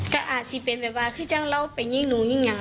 ก็อาจจะสิเป็นแบบว่าคือจังเราเป็นยิ่งหนูยิ่งอย่าง